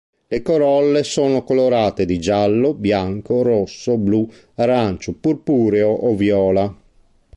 Le corolle sono colorate di giallo, bianco, rosso, blu, arancio, purpureo o viola.